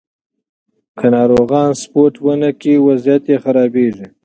که ناروغان سپورت ونه کړي، وضعیت یې خرابېږي.